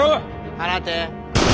放て。